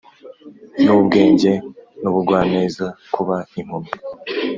nubwenge nubugwaneza kuba impumyi